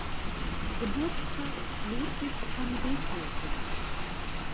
Geburtstags Ludwig van Beethovens.